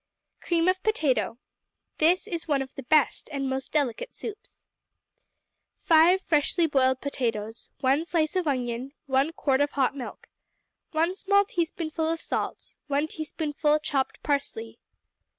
Cream of Potato This is one of the best and most delicate soups. 5 freshly boiled potatoes. 1 slice of onion. 1 quart of hot milk. 1 small teaspoonful of salt. 1 teaspoonful chopped parsley.